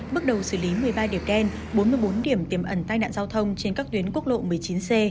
bước đầu xử lý một mươi ba điểm đen bốn mươi bốn điểm tiềm ẩn tai nạn giao thông trên các tuyến quốc lộ một mươi chín c